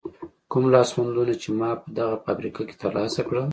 کوم لاسوندونه چې ما په دغه فابریکه کې تر لاسه کړل.